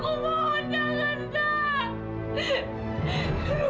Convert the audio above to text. aku mohon jangan mirza